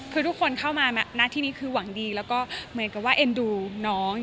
คือทุกคนเข้ามาณที่นี้คือหวังดีแล้วก็เหมือนกับว่าเอ็นดูน้อง